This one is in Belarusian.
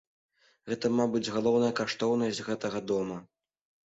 Гэта, мабыць, галоўная каштоўнасць гэтага дома.